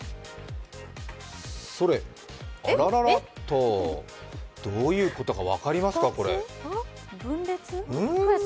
それ、あらららっとどういうことか分かりますか？